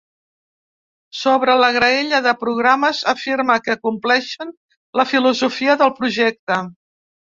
Sobre la graella de programes, afirma que compleixen la filosofia del projecte.